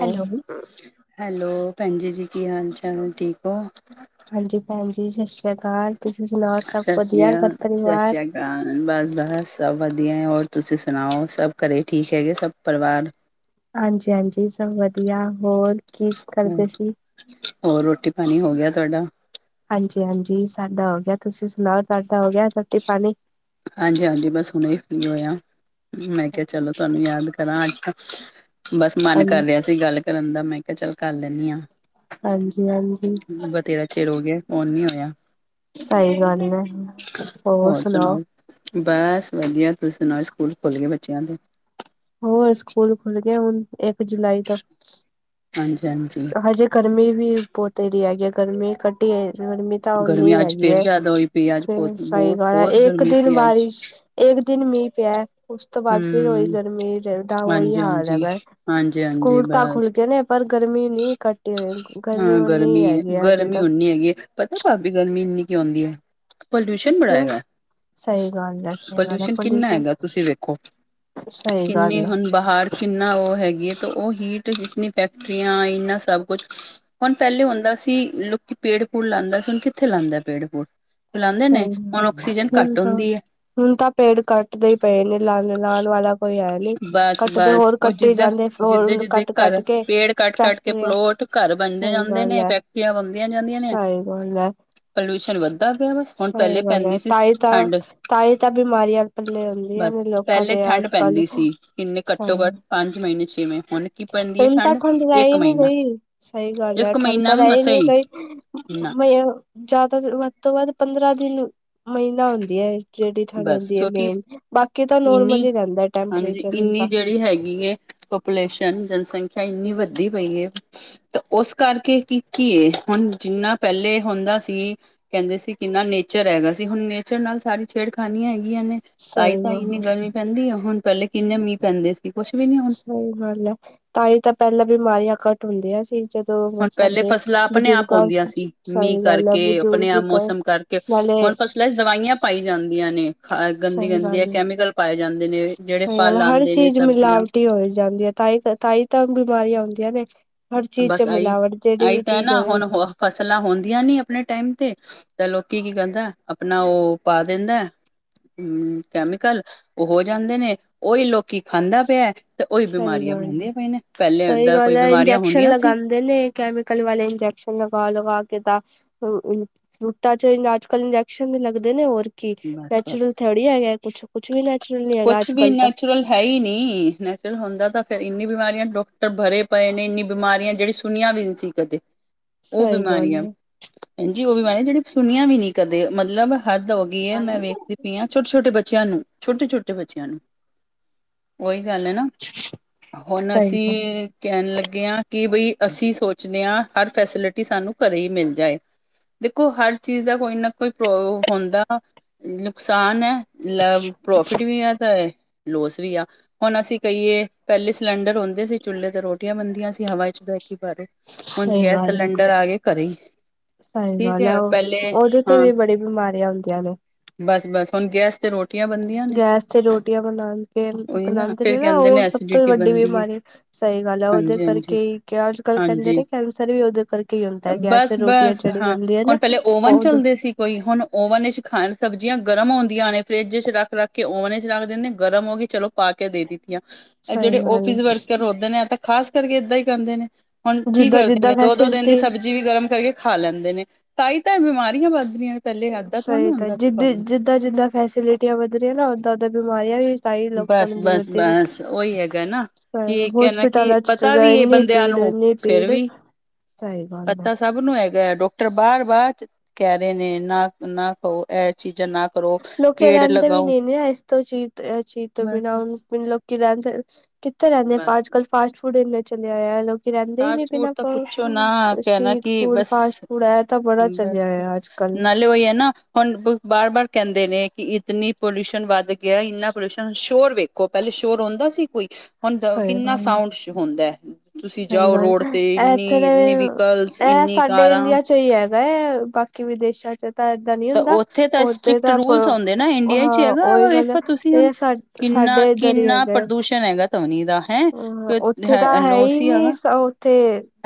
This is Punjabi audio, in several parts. ਹੈਲੋ ਹੈਲੋ ਪੈਂਜੀ ਜੀ ਕੀ ਹਾਲ ਚਾਲ ਠੀਕ ਓ? ਹਾਂਜੀ ਭੈਣ ਜੀ ਸਤਿ ਸ੍ਰੀ ਅਕਾਲ, ਤੁਸੀਂ ਸੁਣਾਓ ਸਭ ਸਤਿ ਸ਼੍ਰੀ ਵਦੀਆ ਘਰ ਅਕਾਲ ਸਤਿ ਪਰਿਵਾਰ? ਸ਼੍ਰੀ ਬਸ ਬਸ ਸਭ ਵਦੀਆ ਏ, ਹੋਰ ਤੁਸੀਂ ਸੁਣਾਓ ਸਭ ਘਰੇ ਠੀਕ ਹੈਗੇ ਸਭ ਪਰਿਵਾਰ? ਹਾਂਜੀ -ਹਾਂਜੀ ਸਭ ਵਦੀਆ ਹੋਰ ਕੀ। ਹਮ ਕਰਦੇ ਸੀ ਹੋਰ ਰੋਟੀ- ਪਾਣੀ ਹੋਗੇਆ ਤਾਡਾ? ਹਾਂਜੀ, ਹਾਂਜੀ ਸਾਡਾ ਹੋ ਗੇਆ, ਤੁਸੀਂ ਸੁਣਾਓ ਤਾਡਾ ਹੋ ਗੇਆ ਰੋਟੀ- ਪਾਣੀ। ਹਾਂਜੀ, ਹਾਂਜੀ ਬਸ ਹੁਣੇ ਈ ਫਰੀ ਹੋਏ ਆਂ, ਮੈਂ ਕੇਆ ਚਲੋ ਤਾਨੂੰ ਯਾਦ ਕਰਾਂ ਅੱਜ। ਬਸ ਮਨ ਹਾਂ ਕਰ ਰੇਆ ਸੀ ਗੱਲ ਕਰਨ ਦਾ, ਮੈਂ ਕੇਆ ਚੱਲ ਕਰ ਲੇਂਨੀ ਆਂ। ਹਾਂਜੀ ਹਾਂਜੀ ਬਥੇਰਾ ਚਿਰ ਹੋ ਗੇਆ, ਫੌਣ ਨੀ ਹੋਏਆ। ਸਈ ਗੱਲ ਐ। ਹੋਰ ਸੁਣਾਓ ਬਸ ਵਦੀਆ, ਤੁਸੀਂ ਸੁਣਾਓ ਸਕੂਲ ਖੁੱਲ ਗਏ ਬੱਚੇਆਂ ਦੇ, ਹੋਰ ਸਕੂਲ ਖੁੱਲ ਗਏ ਹੁਣ ਇੱਕ ਜੁਲਾਈ ਤੋ। ਹਾਂਜੀ -ਹਾਂਜੀ। ਹਜੇ ਗਰਮੀ ਵੀ ਬੋਤ ਰ ਹੈਗੀ ਆ ਗਰਮੀ ਘੱਟੀ ਏ ਗਰਮੀ ਤਾਂ ਗਰਮੀ ਓਨੀ ਅੱਜ ਹੈਗੀ ਫੇਰ ਏ, ਜ਼ਿਆਦਾ ਹੋਈ ਪਈ ਅੱਜ ਬਹੁਤ ਸਹੀ ਬਹੁਤ ਗੱਲ ਆ ਬਹੁਤ ਏਕ ਗਰਮੀ ਦਿਨ ਸੀ ਅੱਜ ਬਾਰਿਸ਼ ਏਕ ਦਿਨ ਮੀਂਹ ਪੇਆ। ਉਸ ਤੋਂ ਬਾਅਦ ਫੇਰ ਓਹੀ ਹਮ ਗਰਮੀ, ਰੇਹਦਾ ਓਹੀ ਹਾਂਜੀ ਹਾਲ ਹਾਂਜੀ ਹੈਗਾ, ਹਾਂਜੀ ਹਾਂਜੀ ਸਕੂਲ ਤਾਂ ਬਸ ਖੁੱਲ ਜਾਨੇ ਪਰ ਗਰਮੀ ਨਈ ਘੱਟੀ ਹੈਗੀ। ਹਾਂ ਗਰਮੀ ਆ ਅਜੇ -ਗਰਮੀ ਤੱਕ ਉਨੀ ਹੈਗੀ ਆ, ਪਤਾ ਭਾਬੀ ਗਰਮੀ ਇੰਨੀ ਕਿਓ ਹੁੰਦੀ ਏ, ਪੋਲਿਊਸ਼ਨ। ਕੰਮ ਕਿਉਂ ਬੜਾਏਗਾ। ਸਹੀ ਗੱਲ ਹੈ ਸਹੀ ਗੱਲ ਹੈ ਪੋਲਿਊਸ਼ਨ ਕਿੰਨਾ ਹੈਗਾ ਤੁਸੀਂ ਵੇਖੋ, ਸਹੀ ਕਿੰਨੇ ਗੱਲ ਆ ਹੁਣ ਬਾਹਰ। ਕਿੰਨਾ ਓ ਹੈਗੀ ਏ, ਤੇ ਉਹ ਹੀਟ ਕਿਤਨੀ ਫੈਕਟਰੀਆਂ ਇੰਨਾ ਸਭ ਕੁਛ। ਹੁਣ ਪੇਲੇ ਹੁੰਦਾ ਸੀ, ਲੋਕੀ ਪੇੜ -ਪੂੜ ਲਾਂਦੇ ਸੀ, ਹੁਣ ਕਿੱਥੇ ਲਾਂਦੇ ਪੇੜ -ਪੂੜ। ਫੁਲਾਦੇ ਨੇ ਸਹੀ ਆਕਸੀਜਨ ਹੁਣ ਘੱਟ ਤਾਂ ਹੁੰਦੀ ਏ। ਹੁਣ ਤਾਂ ਪੇੜ ਕੱਟ ਟਦੇ ਪਏ ਨੇ ਲਾਣ ਲੁਵਾਣ ਵਾਲਾ ਕੋਈ ਹੈ ਨਹੀਂੀ ਕੱਟਦੇ ਬਸ-ਬਸ ਹੋਰ ਉਹ ਕੱਟੇ ਜਿੱਦਾਂ ਜਾਂਦੇ ਹੋਰ ਜਿੱਦੇ-ਜਿੱਦੇ ਕੱਟ ਕੱਟ ਘਰ ਕੇ ਪੇੜ ਕੱਟ ਕੱਟ ਕੇ ਫੈਕਟਰੀਆਂ ਪਲੋਟ ਘਰ ਬਣਦੇ ਸਹੀ ਜਾਂਦੇ ਗੱਲ ਨੇ, ਹੈ ਫੈਕਟਰੀਆਂ ਬਣਦੀਆਂ ਜਾਂਦੀਆਂ ਨੇ ਸਹੀ ਗੱਲ ਹੈ। ਪਲਊਸ਼ਨ ਵਧ ਪਤਾ ਪਿਆ ਬਸ ਹੁਣ ਸਹੀ ਪਹਿਲੇ ਗੱਲ ਪੈਂਦੀ ਹੈ ਸੀ ਤਾਂ ਹੀ ਤਾਂ ਠੰਡ ਤਾਂ ਹੀ ਤਾਂ ਬਿਮਾਰੀਆਂ ਪੱਲੇ ਹੁੰਦੀਆਂ ਬਸ ਨੇ ਲੋਕਾਂ ਪਹਿਲੇ ਦੇ ਠੰਢ ਅੱਜ ਕੱਲ ਪੈਂਦੀ ਸੀ, ਕਿੰਨੇ ਸਹੀ ਘੱਟੋ ਘੱਟ ਪੰਜ ਮਹੀਨੇ ਛੇ ਮਹੀੇ ਹੁਣ ਕੀ ਪੈਂਦੀ ਹੈ ਹੁਣ ਤਾਂ ਠੰਡ ਰਹ ਇੱਕ ਹੀ ਨਹੀਂ ਮਹੀਨਾ ਗਈ, ਸਹੀ ਗੱਲ ਏ ਇੱਕ ਠੰਡ ਮਹੀਨਾ ਤਾਂ ਵੀ ਰਹ ਹੀ ਮਸਾਂ ਨਹੀਂ ਗਈ। ਨਾ ਮ ਜ਼ਿਆਦਾ ਵੱਧ ਤੋਂ ਵੱਧ ਪੰਦਰਾਂ ਦਿਨ ਮਹੀਨਾ ਹੁੰਦੀ ਹੈ ਇਹ। ਜਿਹੜੀ ਠੰਡ ਬਸ ਹੁੰਦੀ ਏ ਕਿਉਂਕਿ ਮੇਨ, ਬਾਕੀ ਤਾਂ ਨੋਰਮਲ ਇੰਨੀ ਹੀ ਰਹਿੰਦਾ ਹਾਂਜੀ ਟੈਂਪਰੇਚਰ ਹੁਣ ਇੰਨੀ ਤਾਂ। ਜਿਹੜੀ ਹੈਗੀ ਏ ਪਾਪੂਲੇਸ਼ਨ ਜਨਸੰਖਿਆ ਇੰਨੀ ਵੱਧਦੀ ਪਈ ਏ। ਤੇ ਉਸ ਕਰਕੇ ਕੀ ਕੀ ਏ ਹੁਣ ਜਿੰਨਾ ਪਹਿਲੇ ਹੁੰਦਾ ਸੀ। ਕਹਿੰਦੇ ਸੀ ਕਿੰਨਾ ਨੇਚਰ ਹੈਗਾ, ਸੀ ਹੁਣ ਨੇਚਰ ਨਾਲ ਸਾਰੀ ਛੇੜ ਖਾਨੀਆਂ ਏਨੀਆਂ ਨੇ ਤਾਈ ਸਹੀ ਤਾਂ ਗੱਲ ਇੰਨੀ ਹੈ ਗਰਮੀ ਪੈਂਦੀ ਹੈ ਹੁਣ ਪਹਿਲੇ ਕਿੰਨੇ ਮੀਂਹ ਪੈਂਦੇ ਸੀ ਕੁਛ ਵੀ ਨੀ ਹੁਣ। ਸਹੀ ਗੱਲ ਹੈ, ਤਾਂ ਹੀ ਤਾਂ ਪਹਿਲਾਂ ਬਿਮਾਰੀਆਂ ਘੱਟ ਹੁੰਦੀਆਂ ਸੀ। ਜਦੋਂ ਹੁਣ ਪਹਿਲੇ ਸਾਡੇ ਫਸਲਾਂ ਆਪਣੇ ਆਪ ਬਜ਼ੁਰਗਾਂ ਆਉਂਦੀਆਂ ਸੀ, ਮੀਂਹ ਸਹੀ ਗੱਲ ਹੈ ਕਰਕੇ, ਆਪਣੇ ਬਜ਼ੁਰਗ ਆਪ ਮੌਸਮ ਕਰਕੇ ਨਾਲੇ ਹੁਣ ਫਸਲਾਂ ਚ ਦਵਾਈਆਂ ਪਾਈ ਜਾਂਦੀਆਂ ਨੇ, ਖ ਗੰਦੀ ਸਹੀ ਗੰਦੀ ਗੱਲ ਕੈਮੀਕਲ ਪਾਏ ਜਾਂਦੇ ਨੇ ਜਿਹੜੇ ਫਲ ਆਦੇ ਨੇ ਸਬਜ਼ੀਆਂ ਟੀ ਹੋ ਜਾਂਦੀ ਹੈ ਤਾਈ ਤਾਂ ਤਾਈ ਤਾਂ ਬਿਮਾਰੀਆਂ ਆਂਉਦੀਆਂ ਨੇ। ਹਰ ਚੀਜ਼ ਚ ਬਸ ਆਈ ਮਿਲਾਵਟ ਜਿਹੜੀ ਆਈ ਵੀ ਤਾਂ ਹੈ ਚੀਜ਼ ਨਾ ਹੋਵੇ ਹੁਣ ਹੋ ਫਸਲਾਂ ਹੁੰਦੀਆਂ ਨੀ ਆਪਣੇ ਟਾਈਮ ਤੇ ਤੇ ਲੋਕੀ ਕੀ ਕਹਿੰਦਾ ਆਪਣਾ ਉਹ ਪਾ ਦਿੰਦਾ ਹੂਂ ਕੈਮੀਕਲ ਉਹ ਹੋ ਜਾਂਦੇ ਨੇ ਉਹੀ ਲੋਕ ਕੀ ਖਾਂਦਾ ਪਿਆ ਤੇ ਉਹੀ ਸਹੀ ਬਿਮਾਰੀਆਂ ਗੱਲ ਹੈ ਹੁਦੀਆਂ ਪਈਆਂ ਨੇ, ਪਹਿਲੇ ਏਦਾਂ ਕੋਈ ਬਿਮਾਰੀਆਂ ਹੁੰਦ ਵੇਲੇ ਕੈਮੀਕਲ ਵਾਲੇ ਇੰਜੈਕਸ਼ਨ ਲਗਾ ਲਗਾ ਕੇ ਤਾਂ ਫਰੂਟਾਂ ਚ ਅੱਜ ਕੱਲ ਇੰਜੈਕਸ਼ਨ ਲੱਗਦੇ ਨੇ ਹੋਰ ਕਿ ਬਸ ਬਸ ਨੈਚੁਰਲ ਥੋੜੀ ਹੈਗਾ ਕੁਛ, ਕੁਛ ਵੀ ਨੈਚੁਰਲ ਨੀ ਹੈਗਾ ਕੁਛ ਅੱਜ ਵੀ ਕੱਲ ਤਾਂ ਨੈਚੁਰਲ ਹੈ ਹੀ ਨਹੀਂ, ਨੈਚੁਰਲ ਹੁੰਦਾ ਤਾਂ ਫਿਰ ਇੰਨੀ ਬਿਮਾਰੀਆਂ ਡੋਕਟਰ ਭਰੇ ਪਏ ਨੇ, ਇੰਨੀ ਬਿਮਾਰੀਆਂ ਜਿਹੜੀ ਸੁਣੀਆਂ ਵੀ ਨਹੀਂ ਸੀ। ਕਦੇ [unintelligible] ਉਹ ਸਹੀ ਗੱਲ ਬਿਮਾਰੀਆਂ, ਹੈ। ਹੈਂਜੀ ਉਹ ਬਿਮਾਰੀਆਂ ਜਿਹੜੀ ਸੁਣੀਆਂ ਵੀ ਨੀ ਕਦੇ ਮਤਲਬ ਹੱਦ ਹੋ ਏ ਮੈਂ ਵੇਖ [unintelligible] ਪੀਆਂ ਛੋਟੇ- ਛੋਟੇ-ਬੱਚਿਆਂ ਨੂੰ ਛੋਟੇ -ਛੋਟੇ ਬੱਚਿਆਂ ਨੂੰ ਉਹੀ ਗੱਲ ਏ ਨਾ ਹੁਣ ਸਹੀ ਅਸੀਂ ਗੱਲ ਕਹਿਣ ਲੱਗੇ ਆਂ ਕਿ ਬਈ ਅਸੀਂ ਸੋਚਦੇ ਆਂ ਹਰ ਫੈਸਿਲਿਟੀ ਸਾਨੂੰ ਘਰੇ ਹੀ ਮਿਲ ਜਾਏ, ਦੇਖੋ ਹਰ ਚੀਜ਼ ਦਾ ਕੋਈ ਨਾ ਕੋਈ ਪ੍ਰੋ ਹੁੰਦਾ ਨੁਕਸਾਨ ਏ ਲ ਪ੍ਰੋਫਿਟ ਵੀ ਆ ਤੇ ਲੋਸ ਵੀ ਆ। ਹੁਣ ਅਸੀਂ ਕਹੀਏ ਪਹਿਲੇ ਸਿਲੰਡਰ ਹੁਂਦੇ ਸੀ, ਚੁੱਲ੍ਹੇ ਤੋਂ ਰੋਟੀਆਂ ਬਣਦੀਆਂ ਸੀ ਹਵਾ ਚੱ ਬਹਿ ਕੇ ਬਾਹਰੇ ਹੁਣ ਸਹੀ ਗੈਸ ਗੱਲ ਸਿਲੰਡਰ ਆ ਕੇ ਘਰੇ ਸਹੀ ਠੀਕ ਗੱਲ ਹੈ ਉਹ ਪਹਿਲੇ ਉਹਦੇ ਤੇ ਹਾਂ ਵੀ ਬੜੀ ਬਿਮਾਰੀਆਂ ਹੁੰਦੀਆਂ ਨੇ ਬਸ, ਬਸ ਹੁਣ ਗੈਸ ਤੇ ਰੋਟ ਗੈਸ ਤੇ ਰੋਟੀਆਂ ਬਣਾ ਕੇ ਉਹੀ ਬਣਾਉਦੇ ਫੇਰ ਨੇ ਨਾ, ਕਹਿੰਦੇ ਉਹ ਸਭ ਤੋਂ ਐਸੀਡਿਟੀ ਵੱਡੀ ਬਣਦੀ ਹੈ। ਬਿਮਾਰੀ ਸਹੀ ਗੱਲ ਹੈ, ਉਹਦੇ ਹਾਂਜੀ-ਹਾਂਜੀ, ਕਰਕੇ ਅੱਜ ਕੱਲ ਕਹਿੰਦੇ ਹਾਂਜੀ ਨੇ ਕੈਂਸਰ ਵੀ ਉਹਦੇ ਕਰਕੇ ਹੀ ਹੁੰਦਾ ਗੈਸ ਤੇ ਰੋਟੀਆਂ ਬਸ-ਬਸ ਜਿਹੜੀ ਹਾਂ ਬਣਦੀਆਂ ਨਾ ਹੁਣ ਪਹਿਲੇ ਓਵਨ ਉਹਦੇ ਚੱਲਦੇ ਸੀ ਕੋਈ ਹੁਣ ਓਵਨ ਖਾਣ ਸਬਜ਼ੀਆਂ ਗਰਮ ਹੁੰਦੀਆਂ ਨੇ, ਫਰਿੱਜ ਚ ਰੱਖ ਰੱਖ ਕੇ ਓਵਨ ਚ ਰੱਖ ਦਿੰਦੇ ਗਰਮ ਹੋ ਗਈ ਚਲੋ ਪਾ ਕੇ ਦੇ ਦਿੱਤੀਆਂ ਇਹ ਸਹੀ ਜਿਹੜੇ ਗੱਲ ਆਫਿਸ ਵਰਕਰ ਹੁੰਦੇ ਨੇ ਤਾਂ ਖ਼ਾਸ ਕਰਕੇ ਇਦਾਂ ਈ ਕਰਦੇ ਨੇ ਹੁਣ ਕੀ ਜਿੱਦਾਂ ਕਰਦੇ ਜਿੱਦਾਂ ਨੇ ਦੋ- ਦੋ ਦਿਨ ਦੀ ਫੈਸਿਲਿਟੀ ਸਬਜ਼ੀ ਸਬਜ਼ੀ ਵੀ ਗਰਮ ਕਰਕੇ ਖਾ ਲੈਂਦੇ ਨੇ, ਤਾਹੀ ਤਾਂ ਇਹ ਬਿਮਾਰੀਆਂ ਵੱਧ ਰਹੀਆਂ ਨੇ ਪਹਿਲੇ ਹੱਦ ਸਹੀ ਤਾਂ ਜਿੱਦ-ਜਿੱਦਾਂ-ਜਿੱਦਾਂ ਫੈਸਿਲਿਟੀਆਂ ਵਧ ਰਹੀਆਂ ਨਾ ਉਦਾਂ-ਉਦਾਂ ਬਿਮਾਰੀਆਂ ਵੀ ਤਾਈ ਲੋਕਾ ਬਸ ਸਾਨੂੰ ਬਸ ਬਲਦੇ ਨੇ ਬਸ ਉਹੀ ਹੈਗਾ ਨਾ ਕਿ ਕਹਿਣਾ ਕਿ ਹੋਸਪਿੱਟਲਾਂ ਚੱਲ ਪਤਾ ਜਾ ਵੀ ਇਹ ਇੰਨੀ ਬੰਦਿਆਂ ਭੀੜ, ਨੂੰ ਇੰਨੀ ਫਿਰ ਭੀੜ, ਵੀ ਸਹੀ ਗੱਲ ਐ। ਪਤਾ ਸਭ ਨੂੰ ਹੈਗਾ ਹੈ ਡਾਕਟਰ ਬਾਰ-ਬਾਰ ਕਹਿ ਰਹੇ ਨੇ ਨਾ-ਨਾ ਕਹੋ ਇਹ ਚੀਜ਼ਾਂ ਨਾ ਕਰੋ ਲੋਕ ਪੇੜ ਰਹਿੰਦੇ ਵੀ ਲਗਾਓ ਨਹੀਂ ਨੇ ਸ ਤੋਂ ਚੀਜ਼-ਐ ਚੀਜ਼ ਤੋਂ ਬਸ ਬਿਨਾਂ ਬਸ ਹੁਨ ਮਤਲੱਬ ਲੋਕ ਰਹਿੰਦੇ ਕਿੱਥੇ ਰਹਿੰਦੇ, ਬਸ ਬਸ ਅੱਜ-ਕੱਲ ਫਾਸਟ ਫੂਡ ਨੇ ਚਲਿਆ ਹੋਇਆ ਹੈ ਲੋਕ ਰਹਿੰਦੇ ਹੀ ਨੀ ਫਾਸਟ ਫੂਡ ਬੰਦਾ ਤਾਂ ਕਰੇ ਪੁੱਛੋ ਕੀ, ਵੈਸੇ ਨਾ ਵੀ ਫੂਡ ਕਹਿਣਾ ਸਟ੍ਰੀਟ ਕਿ ਫੂਡ ਬਸ ਫਾਸਟ ਫੂਡ ਇਹ ਤਾਂ ਬੜਾ ਬਸ-ਬਸ ਚਲਿਆ ਅੱਜ ਕੱਲ ਨਾਲੇ ਉ ਏ ਹੈ ਨਾ। ਹੁਣ ਬਾਰ- ਬਾਰ ਕਹਿੰਦੇ ਨੇ ਕਿ ਇਤ ਨੀ ਪੋਲਿਊਸ਼ਨ ਵੱਧ ਗਿਆ ਇੰਨਾ ਪੋਲਿਊਸ਼ਨ ਸ਼ੋਰ ਵੇ ਦੇਖੋ ਪਹਿਲੇ ਸ਼ੋਰ ਹੁੰਦਾ ਸੀ ਕੋਈ, ਹੁਣ ਸਹੀ ਕਿੰਨਾ ਗੱਲ ਹੈ ਸਾਊਂਡ ਹੁੰਦਾ ਤੁਸੀਂ ਸਹੀ ਜਾਓ ਗੱਲ ਰੋਡ ਤੇ ਇੱਥੇ ਇੰਨੀ- ਦੇ ਇਨੀ ਵਹੀਕਲਸ, ਇੰਨੀ ਕਾਰਾਂ। ਸਹੀ ਹੈਗਾ ਐ ਬਾਕੀ ਵਿਦੇਸ਼ਾਂ ਚੋ ਤਾਂ ਏਦਾਂ ਨਹੀਂ ਤਾਂ ਹੁੰਦਾ ਉੱਥੇ ਤਾਂ ਉਦੇ ਸਟ੍ਰਿਕਟ ਤੱਕ, ਰੂਲਸ ਆਉਂਦੇ ਨਾ ਇੰਡੀਆ 'ਚ ਹਾਂ ਹੈਗਾ ਉਹੀ ਵਾ ਗੱਲ ਆ ਵੇਖੋ ਤੁਸੀਂ ਹੁਣ ਇਹ ਸਬ ਸਾਡੇ ਇੱਧਰ ਈ ਹੈਗਾ। ਧੁਨੀ ਦਾ ਹੈਂ ਹੂੰ ਉੱਥੇ ਤਾਂ ਹੈ ਲੋਸ ਹੀ ਨੀ ਹੈਗਾ ਸ ਉੱਥੇ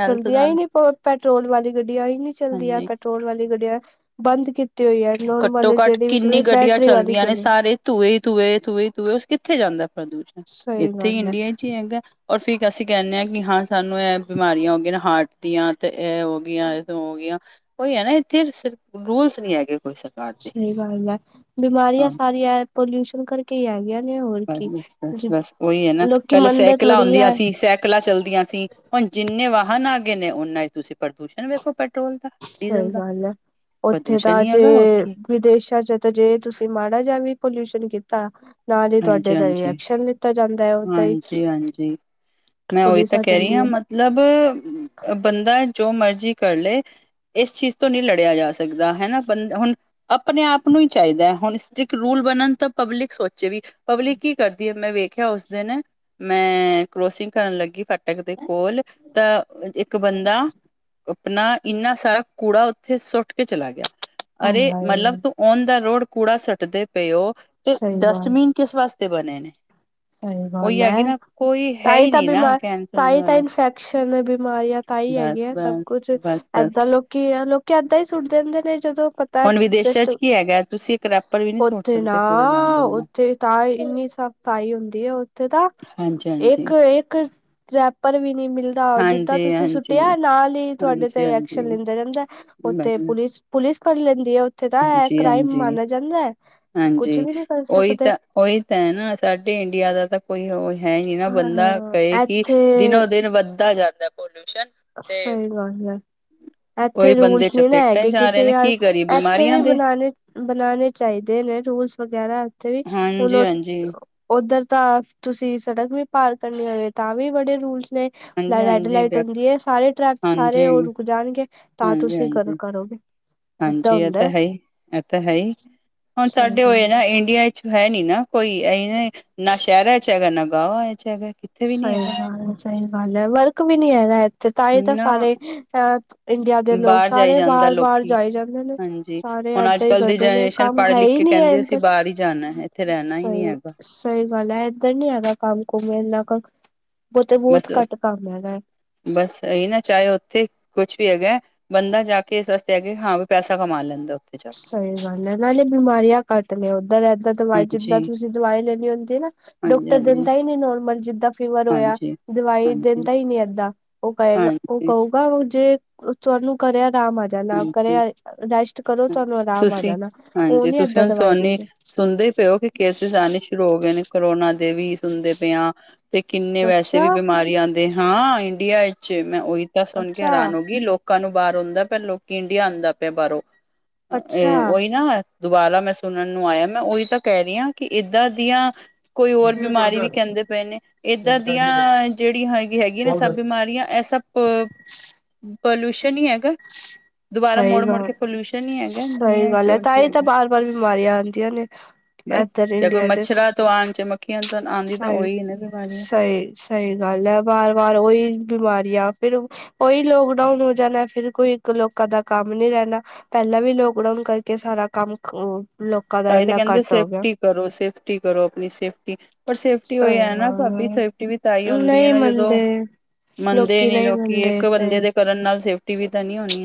ਹੈਲਥ ਚਲਦੀਆਂ ਹੀ ਨਾਲ ਨੀ ਪ-ਪੈਟਰੋਲ ਵਾਲੀ ਗੱਡੀਆਂ ਹੀ ਨੀ ਚਲਦੀਆਂ ਹਾਂਜੀ ਪੈਟਰੋਲ ਵਾਲੀ ਗੱਡੀਆਂ ਬੰਦ ਕੀਤ ਤੀ ਹੋਈ ਹੈ, ਘੱਟੋ ਨੋਨ ਘੱਟ ਜਿਹੜੀ ਵੀ ਕਿੰਨੀ ਚਲੋ ਗੱਡੀਆਂ ਬੈਟਰੀ ਵਾਲੀ ਚੱਲਦੀਆਂ ਨੇ ਚਲੂ। ਸਾਰੇ ਧੂਏ ਧੂਏ, ਧੂਏ ਧੂਏ, ਕਿੱਥੇ ਜਾਂਦਾ ਪ੍ਰਦੂਸ਼ਣ ਸਹੀ ਇੱਥੇ ਹੀ ਗੱਲ ਹੈ ਇੰਡੀਆ ਚ ਹੀ ਹੈਗਾ। ਅਸੀ ਕ ਅਸੀਂ ਕਹਿੰਦੇ ਹਾਂ ਕਿ ਹਾਂ ਸਾਨੂੰ ਇਹ ਬਿਮਾਰੀਆਂ ਹੋ ਗਈਆਂ ਹਾਰਟ ਦੀਆਂ ਤੇ ਇਹ ਹੋ ਗੀਆਂ, ਏਹ ਤੋ ਹੋ ਗਈਆਂ ਉਹੀ ਹੈ ਨਾ ਇੱਥੇ ਸਿਰਫ ਰੂਲਸ ਨਹੀਂ ਹੈਗੇ ਕੋਈ ਸਰਕਾਰ ਦੇ। ਸਹੀ ਗੱਲ ਐ, ਹਾਂ ਬਿਮਾਰੀਆਂ ਸਾਰੀਆਂ ਐ ਪੋਲਿਊਸ਼ਨ ਕਰਕੇ ਕਰਕੇ ਹੈ ਗਿਆ ਨੇ ਹੋਰ ਹਾਜੀ ਕੀ ਬਸ ਬਸ, ਬਸ ਬਸ ਉਹੀ ਹੈ ਨਾ ਲੋਕੀ ਪਹਿਲੇ ਮੰਨਦੇ ਸਾਇਕਲਾਂ ਥੋੜ੍ਹੀ ਆਂਦੀਆਂ ਹੈ ਸੀ ਸਾਕਿ ਸਾਇਕਲਾਂ ਚੱਲਦੀਆਂ ਸੀ ਹੁਣ ਜਿੰਨੇ ਵਾਹਨ ਆ ਗਏ ਨੇ ਓਨਾ ਚ ਤੁਸੀਂ ਪ੍ਰਦੂਸ਼ਣ ਵੇਖੋ ਪੈਟਰੋਲ ਦਾ ਸਹੀ ਡੀਜ਼ਲ ਦਾ ਗੱਲ ਐ, ਉੱਥੇ ਪ੍ਰਦੂਸ਼ਣ ਤਾਂ ਹੀ ਜੇ ਹੈਗਾ ਹੋਰ ਕੀ ਵਿਦੇਸ਼ਾਂ ਚ ਤਾਂ ਜੇ ਤੁਸੀਂ ਮਾੜਾ ਜਿਹਾ ਵੀ ਪੋਲਿਊਸ਼ਨ ਕੀਤਾ ਨਾਲ ਹੀ ਹਾਂਜੀ ਤੁਹਾਡੇ ਦਾ ਰਿ ਹਾਂਜੀ ਐਕਸ਼ਨ ਦਿੱਤਾ ਜਾਂਦਾ ਹੈ ਓਦਾਂ ਈ। ਹਾਂਜੀ ਹਾਂਜੀ ਪੁਲਿਸ ਆ ਜਾਂਦੀ ਐ। ਮਤਲੱਬ ਬੰਦਾ ਜੋ ਮਰਜ਼ੀ ਕਰ ਲੈ ਇਸ ਚੀਜ਼ ਤੋਂ ਨਹੀਂ ਲੜਿਆ ਜਾ ਸਕਦਾ ਹਨਾ ਬੰਦਾ ਹੁਣ ਆਪਣੇ ਆਪ ਨੂੰ ਹੀ ਚਾਈਦਾ। ਹੁਣ ਸਟ੍ਰਿਕ ਰੂਲ ਬਣਨ ਤਾਂ ਪਬਲਿਕ ਸੋਚੇ ਵੀ, ਪਬਲਿਕ ਕੀ ਕਰਦੀ ਹੈ ਮੈਂ ਵੇਖਿਆ ਉਸ ਦਿਨ ਮੈਂ ਕਰੋਸਿੰਗ ਕਰਨ ਲੱਗੀ ਫ ਫਾਟਕ ਦੇ ਕੋਲ ਤਾਂ ਇੱਕ ਬੰਦਾ ਆਪਣਾ ਇੰਨਾ ਸਾਰਾ ਕੂੜਾ ਉੱਥੇ ਸੁੱਟ ਕੇ ਚਲਾ ਗਿਆ, ਹਾਏ ਅਰੇ ਹਾਏ ਮਤਲੱਬ ਤੂੰ ਓਨ ਦਾ ਰੋਡ ਕੂੜਾ ਸੱਟਦੇ ਪਏ ਓ, ਤੇ ਸਹੀ ਗੱਲ ਡਸਟਬੀਨ ਕਿਸ ਵਾਸਤੇ ਬਣੇ ਨੇ। ਸਹੀ ਗੱਲ ਉਹੀ ਹੈਗੀ ਐ, ਨਾ ਕੋਈ ਹੈ ਤਾਂਹੀ ਹੀ ਤਾਂ ਨਹੀਂ ਨਾ ਬਿਮਾਰ ਕਹਿਣ ਤਾਂ ਸੁਣਨ ਹੀ ਤਾਂ ਵਾਲਾ ਇਨਫੈਕਸ਼ਨ ਬਿਮਾਰੀਆਂ ਪਤਾ ਹੀ ਹੈਗੇ ਆ ਸਭ ਬਸ-ਬਸ, ਕੁੱਛ ਏਦਾਂ ਬਸ-ਬਸ। ਲੋਕੀ ਆ ਲੋਕ ਏਦਾਂ ਹੀ ਸੁੱਟਦੇ ਹੁੰਦੇ ਨੇ ਜਦੋਂ ਤਾਂ ਹੁਣ ਵਿਦੇਸ਼ਾਂ ਡਸਟ, ਚ ਕੀ ਹੈਗਾ ਤੁਸੀਂ ਇੱਕ ਰੈਪਰ ਵੀ ਨਹੀਂ ਸੁੱਟ ਉੱਥੇ ਨਾ ਸਕਦੇ ਕੂੜੇਦਾਨ ਤੋਂ ਬਿਨਾਂ। ਉੱਥੇ ਤਾਈ ਇੰਨੀ ਸਫਾਈ ਹੁੰਦੀ ਹੈ ਉੱਥੇ ਤਾ ਹਾਂਜੀ-ਹਾਂਜੀ, ਇੱਕ- ਇੱਕ ਰੈਪਰ ਵੀ ਨਹੀ ਮਿਲਦਾ, ਜਿੱਦਾਂ ਤੁਸੀਂ ਹਾਂਜੀ-ਹਾਂਜੀ, ਸੁੱਟਿਆ ਹਾਂਜੀ-ਹਾਂਜੀ। ਨਾਲ ਹੀ ਤੁਹਾਡੇ ਤੇ ਹਾਂਜੀ-ਹਾਂਜੀ, ਐਕਸ਼ਨ ਹਾਂਜੀ। ਲੈਂਦਾ ਰਹਿੰਦਾ। ਹਾਂਜੀ ਉੱਥੇ ਬਸ ਪੁਲਿਸ -ਪੁਲਿਸ ਫੜ ਲੈਂਦੀ ਆ ਉੱਥੇ ਤਾਂ ਇਹ ਹਾਂਜੀ ਕ੍ਰਾਈਮ ਹਾਂਜੀ ਮਾਨਿਆ ਜਾਂਦਾ ਐ। ਹਾਂਜੀ। ਓਈ ਤਾਂ ਉਹੀ ਤੇ ਐ ਨਾ ਸਾਡੇ ਇੰਡੀਆ ਦਾ ਤੇ ਕੋਈ ਓ ਹੈ ਨੀ ਨਾ ਹਾਂ ਬੰਦਾ ਕਏ ਹਾਂ ਕਿ ਦਿਨੋ ਇੱਥੇ ਦਿਨ ਵੱਧਦਾ ਜਾਂਦਾ ਪੋਲਿਊਸ਼ਨ। ਸਈ ਗੱਲ ਐ। ਹਮ। ਐਥੇ ਰੂਲਸ ਨੀ ਨਾ ਹੈਗੇ ਕਿਸੇ ਯਾਰ ਕਰੀਏ ਐਥੇ ਬਿਮਾਰੀਆਂ ਵੀ ਦੇ ਬਨਾਨੇ ਬਨਾਨੇ ਚਾਈਦੇ ਨੇ ਰੂਲਸ। ਵਗੈਰਾ ਏਥੇ ਵੀ ਹੁਨ ਓ ਹਾਂਜੀ-ਹਾਂਜੀ, ਓਧਰ ਤਾਂ ਤੁਸੀ ਸੜਕ ਵੀ ਪਾਰ ਕਰਨੀ ਹੋਵੇ ਤਾਂ ਵੀ ਬੜੇ ਰੂਲਸ ਨੇ। ਲਾ ਰੈਡ ਹਾਂਜੀ-ਹਾਂਜੀ, ਲਾਈਟ ਹੁੰਦੀ ਏ। ਸਾਰੇ ਟਰੈਫ ਸਾਰੇ ਹਾਂਜੀ, ਓ ਰੁਕ ਜਾਨਗੇ ਤਾਂ ਤੁਸੀ ਕਰ ਹਾਂਜੀ-ਹਾਂਜੀ। ਕਰੋਗੇ। ਏਦਾਂ ਹਾਂਜੀ ਐ ਤਾ ਹੁੰਦਾ ਹੈ ਈ। ਐ ਤਾ ਹੈ ਈ। ਹੁਨ ਸਹੀ ਸਾਡੇ ਗੱਲ ਓਏ ਨਾ ਇੰਡੀਆ ਹੈ ਨੀ ਨਾ ਕੋਈ। ਐਈ ਨੀ ਨਾ ਸੈ਼ਰਾਂ ਚ ਹੈਗਾ ਨਾ ਗਾਵਾ ਚ ਹੈਗਾ। ਵੀ ਨੀ ਸਈ ਹੈਗਾ ਗੱਲ ਐ। ਸਈ ਗੱਲ ਐ, ਵਰਕ ਵੀ ਨੀ ਹੈਗਾ। ਤੇ ਤਾਂ ਈ ਤਾਂ ਨਾ ਸਾਰੇ ਅ ਇੰਡੀਆ ਦੇ ਲੋਕ ਬਾਹਰ ਜਾਈ ਸਾਰੇ ਜਾਂਦਾ ਬਾਰ ਬਾਰ ਲੋਕੀ ਜਾਈ ਜਾਂਦੇ ਨੇ। ਹਾਂਜੀ ਸਾਰੇ ਹੁਣ ਅੱਜ ਐਦਾਂ ਈ ਕੱਲ੍ਹ ਦੀ ਕਰਦੇ ਨੇ। ਜਨਰੇਸ਼ਨ ਕੰਮ ਪੜ੍ਹ ਹੈ ਲਿਖ ਈ ਕੇ ਨੀ ਕਹਿੰਦੀ ਅਸੀਂ ਐਧਰ। ਬਾਹਰ ਹੀ ਜਾਣਾ ਹੈ ਇੱਥੇ ਰਹਿਣਾ ਹੀ ਨਹੀਂ ਸਈ ਹੈਗਾ ਸਈ ਗੱਲ ਐ ਐਧਰ ਨੀ ਹੈਗਾ ਕੰਮ ਕੁਮ ਏਨਾ ਕ। ਔਥੇ ਬੋਤ ਬਸ ਘੱਟ ਕੰਮ ਹੈਗਾ ਐ। ਬਸ ਐਈ ਨਾ ਚਾਏ ਓਥੇ ਕੁਛ ਵੀ ਹੈਗਾ ਐ। ਬੰਦਾ ਜਾ ਕੇ ਇਸ ਵਾਸਤੇ ਐ ਕੇ ਹਾਂ ਵੀ ਪੈਸਾ ਕਮਾ ਲੈਂਦਾ ਔਥੇ। ਸਈ ਗੱਲ ਐ। ਨਾਲੇ ਬਿਮਾਰੀਆਂ ਘੱਟ ਨੇ ਓਦਰ। ਐਦਰ ਦਵਾਈ ਜਿੱਦਾਂ ਹਾਂਜੀ ਤੁਸੀ ਦਵਾਈ ਲੈਣੀ ਹੁੰਦੀ ਏਨਾ ਹਾਂਜੀ ਡਾਕਟਰ ਹਾਂਜੀ ਦੇਂਦਾ ਈ ਨੀ ਨੋਰਮਲ। ਜਿੱਦਾਂ ਫੀਵਰ ਹੋਏਆ। ਹਾਂਜੀ ਦਵਾਈ ਹਾਂਜੀ ਦੇਂਦਾ ਈ ਨੀ ਏਦਾਂ। ਓ ਕਏਗਾ ਓ ਹਾਂਜੀ ਕਊਗਾ ਉ ਜੇ ਤਆਨੂੰ ਘਰੇ ਰਾਮ ਆਜਾਨਾ ਘਰੇ ਰ ਰੈਸ਼ਟ ਹ ਤੁਸੀ ਹਾਂਜੀ ਤੁਸੀ ਏਦਾਂ ਹੁਨ ਦਵਾਈ ਸੋਨੀ ਦਿੰਦੇ ਸੁਨਦੇ ਈ ਪਏਓ ਕਿ ਕੇਸਿਸ ਆਨੇ ਸ਼ੁਰੂ ਹੋਗੇ ਨੇ ਕਰੋਨਾ ਦੇ ਵੀ। ਸੁਨਦੇ ਪੇਆਂ ਤੇ ਕਿੰਨੇ ਵੈਸੇ ਵੀ ਅੱਛਾ ਬਿਮਾਰੀਆਂ ਦੇ ਹਾਂ, ਇੰਡੀਆ ਇਚ। ਮੈਂ ਓਈ ਤਾਂ ਸੁਣ ਕੇ ਅੱਛਾ ਹੈਰਾਨ ਹੋ ਗਈ। ਲੋਕਾਂ ਨੂੰ ਬਾਰ ਹੋਂਦਾ ਪੇਆ ਲੋਕੀ ਇੰਡੀਆ ਆਂਦਾ ਪੇਆ ਬਾਰੋਂ। ਅ ਅੱਛਾ। ਔਈ ਨਾ। ਦੁਬਾਰਾ ਮੈਂ ਸੁਣਨ ਨੂੰ ਆਏਆ। ਮੈਂ ਓਈ ਤਾਂ ਕੈਰੀ ਆਂ ਕਿ ਏਦਾਂ ਦੀਆਂ ਕੋਈ ਹੋਰ ਸਹੀ ਬਿਮਾਰੀ ਵੀ ਕੈਂਦੇ ਪਏ ਨੇ। ਏਦਾਂ ਦੀਆਂ ਜੇੜੀਆਂ ਹੈਗੀ ਹੈਗੀ ਨਾ ਸਭ ਬਿਮਾਰੀਆਂ ਐ ਸਪ ਪੋਲਊਸ਼ਨ ਈ ਹੈਗਾ। ਦੁਬਾਰਾ ਮੋੜ ਮੋੜ ਕੇ ਪੋਲਊਸ਼ਨ ਈ ਹੈ ਸਈ ਗੱਲ ਐ। ਤਾਂ ਈ ਤਾਂ ਬਾਰ ਬਾਰ ਬਿਮਾਰੀਆਂ ਆਂਦੀਆਂ ਨੇ। ਬਸ ਇੱਧਰ ਚਾਏ ਕੋਈ ਇੰਡੀਆ ਚ ਮੱਛਰਾਂ ਤੋਂ ਆਣ ਚ ਮੱਖੀਆਂ ਤੋਂ ਆਂਦੀ ਤਾਂ ਓਈ ਨਾ ਬਿਮਾਰੀਆਂ ਸਈ ਸਈ ਗੱਲ ਐ। ਵਾਰ ਵਾਰ ਓਈ ਬਿਮਾਰੀਆਂ ਫਿਰ ਓਈ ਲੋਕਡਾਊਨ ਹੋ ਜਾਨੈ ਫਿਰ। ਕੋਈ ਇੱਕ ਲੋਕਾਂ ਦਾ ਕੰਮ ਨੀ ਰੈਣਾ ਪੈਲਾਂ ਵੀ ਲੋਕਡਾਊਨ ਕਰਕੇ ਸਾਰਾ ਕੰਮ ਲੋਕਾਂ ਦਾ ਤਾਂ ਹੀ ਤਾਂ ਏਨਾ ਕਹਿੰਦੇ ਘੱਟ ਹੋ ਗਆ। ਸੇਫਟੀ ਕਰੋ ਸੇਫਟੀ ਕਰੋ ਅਪਣੀ ਸੇਫਟੀ। ਪਰ ਸੇਫਟੀ ਓਈ ਸਹੀ ਐਨਾ ਗੱਲ ਭਾਬੀ ਹੈ, ਸੇਫਟੀ ਵੀ ਤਾਈ ਹੁੰਦੀ ਐ ਨਹੀਂ ਨਾ ਜਦੋਂ ਮੰਨਦੇ ਮੰਨਦੇ ਲੋਕੀ ਨੀ ਨਹੀਂ ਲੋਕੀ। ਮੰਨਦੇ ਏਕ ਬੰਦੇ ਦੇ ਕਰਨ ਨਾਲ ਸੇਫਟੀ ਵੀ ਤਾਂ ਨੀ ਹੋਨੀ।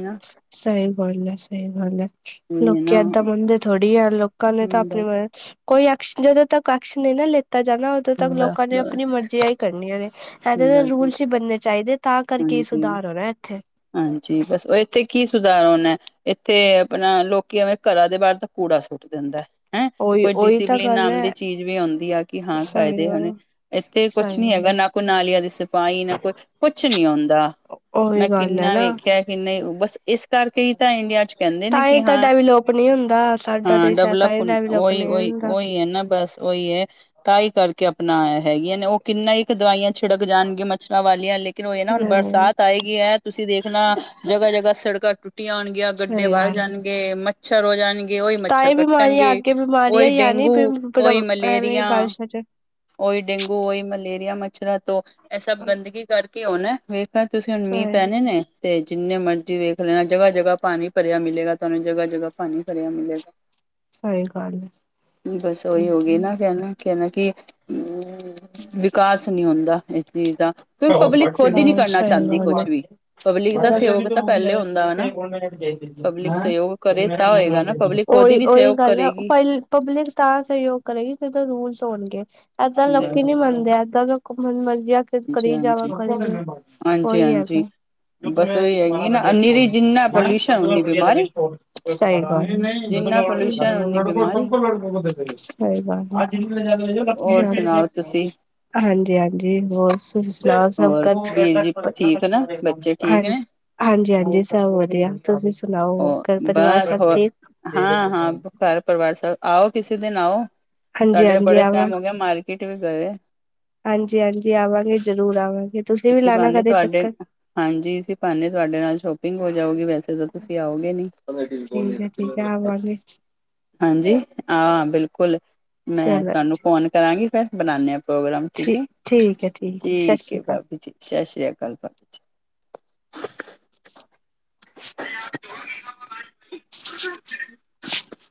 ਸਈ ਗੱਲ ਐ। ਸਈ ਗੱਲ ਐ। ਉਹੀ ਹੈ ਲੋਕੀ ਨਾ ਏਦਾਂ ਮੰੰਦੇ ਥੋੜੀ ਆ ਲੋਕ ਲੋਕਾਂ ਨੇ ਤਾਂ ਹਮ ਅਪਨੀ ਮ ਕੋਈ ਐਕ ਜਦੋਂ ਤੱਕ ਐਕਸ਼ਨ ਨਈ ਨਾ ਲਿਤਾ ਜਾਂਦਾ ਜਦੋਂ ਤੱਕ ਬਸ ਲੋਕਾਂ ਨੇ ਅਪਨੀ ਬਸ ਮਰਜੀ ਆਈ ਕਰਨੀਆ ਨੇ। ਸਾਡੇ ਤੇ ਬਸ ਰੂਲਸ ਈ ਬਨਨੇ ਚਾਈਦੇ ਤਾਂ ਕਰਕੇ ਈ ਹਾਂਜੀ ਸੁਧਾਰ ਹੋਨਾ ਏਥੇ। ਹਾਂਜੀ। ਬਸ ਓ ਏਥੇ ਕੀ ਸੁਧਾਰ ਹੋਨਾ ਐ? ਇੱਥੇ ਆਪਣਾ ਲੋਕੀ ਐਵੇਂ ਘਰਾਂ ਦੇ ਬਾਹਰ ਤਾਂ ਕੂੜਾ ਸੁੱਟ ਦਿੰਦਾ। ਹੈਂ, ਉਹੀ ਕੋਈ ਉਹੀ ਤਾਂ ਡਿਸਿਪਲਿਨ ਗੱਲ ਨਾਮ ਹੈ ਦੀ ਚੀਜ਼ ਵੀ ਆਉਂਦੀ ਆ ਕਿ ਹਾਂ, ਸਹੀ ਕਾਇਦੇ ਹਣੇ? ਗੱਲ ਇੱਥੇ ਕੁਛ ਸਹੀ ਨੀ ਹੈਗਾ ਗੱਲ ਨਾ, ਕੋਈ ਨਾਲੀਆਂ ਦੀ ਸਫਾਈ ਨਾ ਕੋਈ ਕੁਛ, ਨੀ ਆਉਂਦਾ ਉਹੀ ਮੈਂ ਗੱਲ ਹੈ ਕਿੰਨਾ ਨਾ ਵੇਖਿਆ, ਕਿੰਨਾ ਹੀ ਬਸ ਇਸ ਇਸ ਕਰਕੇ ਹੀ ਤਾਂ ਇੰਡੀਆ ਚ' ਕਹਿੰਦੇ ਨੇ ਤਾਂ ਕਿ ਹੀ ਤਾਂ ਡੈਵਲੋਪ ਨਹੀਂ ਹੁੰਦਾ ਸਾਡਾ ਹਾਂ-ਹਾਂ, ਦੇਸ਼ ਹੈ ਤਾਂ ਡਵਲਪ ਹੀ ਹ ਡੈਵਲੋਪ ਉਹੀ- ਨਹੀਂ ਉਹੀ ਹੁੰਦਾ ਉਹੀ ਹੈ ਨਾ, ਬਸ ਉਹੀ ਹੈ, ਤਾਈ ਕਰਕੇ ਆਪਣਾ ਹੈਗੀਆਂ ਨੇ ਉਹ ਕਿੰਨਾ ਕੁ' ਦਵਾਈਆਂ ਛਿੜਕ ਜਾਣ ਗਏ ਮਚਰਾ ਵਾਲੀਆਂ, ਲੇਕਿਨ ਉਹ ਨਾ, ਹੁਣ ਹਮ ਬਰਸਾਤ ਆਏਗੀ ਹੈ ਤੁਸੀਂ ਦੇਖਣਾ, ਜਗ੍ਹਾ-ਜਗ੍ਹਾ ਸੜਕਾਂ ਟੁੱਟੀਆਂ ਹੋਣਗੀਆਂ, ਗੱਡੇ ਸਹੀ ਬਾਹਰ ਗੱਲ ਜਾਣਗੇ, ਮੱਛਰ ਹੋ ਜਾਣਗੇ ਉਹੀ ਤਾਂ ਮੱਛਰ ਹੀ ਬਿਮਾਰੀਆਂ ਕੱਟਣਗੇ, ਅੱਗੇ ਬਿਮਾਰੀਆਂ ਉਹੀ ਹੀ ਆਣੀ ਡੇਂਗੂ, ਉਹੀ ਐਵੇਂ ਮਲੇਰੀਆ ਬਾਰਿਸ਼ਾਂ ਚ ਉਹੀ ਡੇਂਗੂ, ਉਹੀ ਮਲੇਰੀਆ, ਮੱਛਰਾਂ ਤੋਂ ਇਹ ਸਭ ਗੰਦਗੀ ਕਰਕੇ ਉਹ ਨਾ ਤੁਸੀਂ ਹੁਣ ਮੀਂਹ ਸਹੀ ਪਹਿਣੇ ਨੇ, ਤੇ ਜਿੰਨੇ ਮਰਜ਼ੀ ਵੇਖ ਲੈਣਾ, ਜਗ੍ਹਾ-ਜਗ੍ਹਾ ਪਾਣੀ ਭਰਿਆ ਮਿਲੇਗਾ ਤੂਹਾਨੂੰ ਜਗ੍ਹਾ-ਜਗ੍ਹਾ ਪਾਣੀ ਭਰਿਆ ਮਿਲੇਗਾ ਸਹੀ ਗੱਲ ਬਸ, ਓਹੀ ਹੋ ਗਈ ਹੈ। ਨਾ, ਕਹਿਣਾ ਕਹ ਨਾ ਕਿ ਵਿਕਾਸ ਨੀ ਹੁੰਦਾ ਇਸ ਚੀਜ਼ ਦਾ ਪਬਲਿਕ ਖੁਦ ਹੀ ਨਹੀਂ ਹਾਂ, ਕਰਨਾ ਸਹੀ ਚਾਹੁੰਦੀ ਗੱਲ ਕੁਛ ਹੈ ਵੀ ਪਬਲਿਕ ਦਾ ਸਹਿਯੋਗ ਤਾਂ ਪਹਿਲੇ ਹੁੰਦਾ ਵਾ ਨਾ ਪਬਲਿਕ ਸਹਿਯੋਗ ਕਰੇ ਤਾਂ ਹੋਏਗਾ ਨਾ ਪਬਲਿਕ [unintelligible] ਖੁਦ ਹੀ ਨਹੀਂ ਓਹੀ-ਓਹੀ ਸਹਿਯੋਗ ਗੱਲ ਹੈ ਕਰੇਗੀ ਪ ਪਬਲਿਕ ਤਾਂ ਸਹਿਯੋਗ ਕਰੇਗੀ ਜਦ ਰੂਲਸ ਹੋਣਗੇ, ਇਏਦਾਂ ਲੋਕੀ ਬਸ ਨੀ ਮੰਨਦੇ, ਇਏਦਾਂ ਮਨ-ਮਰਜ਼ੀ ਆ ਕੇ ਕਰੀ ਜਾਵਾ, ਕਰ ਹਾਂਜੀ-ਹਾਂਜੀ [inaudible] ਪੋਲਿਊਸ਼ਨ ਉਨੀ ਬਿਮਾਰੀ ਸਹੀ ਗੱਲ ਹੈ। ਜਿੰਨਾ ਪੋਲਿਊਸ਼ਨ ਉਨੀ ਬਿਮਾਰੀ ਹੋਰ ਸੁਣਾਓ ਤੁਸੀਂ ਹਾਂਜੀ-ਹਾਂਜੀ, ਹੋ ਤੁਸੀਂ ਸੁਣਾਓ, ਸਭ ਹੋਰ ਘਰ ਵੀਰ ਜੀ ਚ' ਵਧੀਆ? ਠੀਕ ਨਾ ਬੱਚੇ ਠੀਕ ਨੇ ਹਾਂਜੀ ਹਾਂਜੀ-ਹਾਂਜੀ, ਸਭ ਵਧੀਆ ਤੁਸੀਂ ਸੁਣਾਓ, ਉਹ ਘਰ-ਪਰਿਵਾਰ ਸਭ ਠੀਕ? ਘਰ-ਪਰਿਵਾਰ ਸਾਹਿਬ ਆਓਕਿਸੇ ਦਿਨ, ਆਓ ਤੁਡੇ ਨਾਲ ਹਾਂਜੀ-ਹਾਂਜੀ ਬੜੇ ਆਵਾਂ ਟਾਈਮ ਹੋ ਗਿਆ ਮਾਰਕੀਟ ਵੀ ਗਏ ਹਾਂਜੀ-ਹਾਂਜੀ, ਆਵਾਂਗੇ ਜ਼ਰੂਰ ਆਵਾਂਗੇ। ਤੁਸੀਂ ਵੀ ਇਸੀ ਲਾਣਾ ਬਹਾਨੇ ਕਦੇ ਤੁਹਾਡੇ ਚੱਕਰ। ਹਾਂਜੀ, ਅਸੀਂ ਪਾਉਂਦੇ। ਤੁਹਾਡੇ ਨਾਲ ਸ਼ੋਪਿੰਗ ਹੋ ਜਾਓਗੀ, ਵੈਸੇ ਤਾਂ ਤੁਸੀਂ ਆਓਗੇ ਨੀ? ਠੀਕ ਐ, ਠੀਕ ਐ ਆਵਾਂਗੇ, ਹਾਂਜੀ ਹਾਂ, ਬਿਲਕੁਲ। ਮੈਂ ਚਲੋ ਤੁਹਾਨੂੰ ਫੋਨ ਕਰਾਂਗੀ, ਫਿਰ ਬਣਾਉਾਨੇ ਹ। ਪ੍ਰੋਗਰਾਮਕ ਠੀਕ, ਠੀਕ ਐ, ਠੀਕ ਐ ਸਤਿ ਸ਼੍ਰੀ ਅਕਾਲ। ਭਾਬੀ ਜੀ। ਸਤਿ ਸ੍ਰੀ ਅਕਾਲ, ਭਾਬੀ ਜੀ [inaudible]